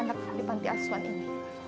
untuk anak anak di panti aswan ini